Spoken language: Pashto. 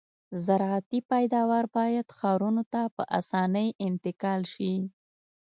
زراعتي پیداوار باید ښارونو ته په اسانۍ انتقال شي